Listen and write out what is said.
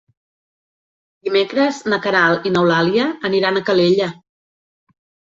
Dimecres na Queralt i n'Eulàlia aniran a Calella.